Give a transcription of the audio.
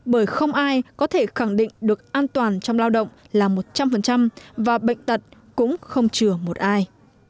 bởi không ai có thể khẳng định được an toàn trong lao động là một trăm linh và bệnh tật cũng không chừa một ai